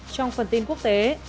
trong phần tin quốc tế